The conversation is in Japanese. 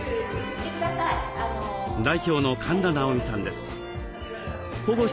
代表の神田直美さんです。